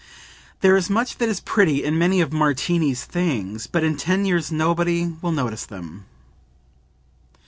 "There is much that is pretty in many of Martini's things, but in ten years nobody will notice them."